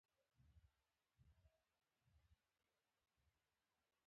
مسواک کول د غاښونو لپاره ګټور دي.